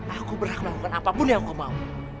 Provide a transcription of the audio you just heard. aku berhak melakukan apapun yang kau mau